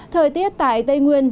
thời tiết tại tây nguyên